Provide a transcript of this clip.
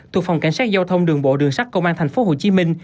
thuộc phòng cảnh sát giao thông đường bộ đường sát công an tp hcm